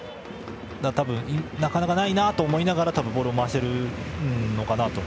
多分、なかなかないなと思いながら、ボールを回しているのかなと。